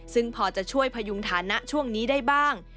ซึ่งพอจะช่วยพยุงฐานะช่วงนี้ได้บ้าง